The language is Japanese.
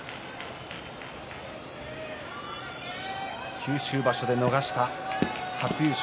九州場所で逃した初優勝。